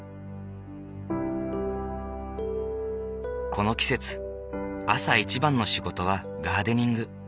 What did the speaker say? この季節朝一番の仕事はガーデニング。